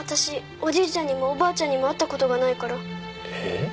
おじいちゃんにもおばあちゃんにも会ったことがないからえっ？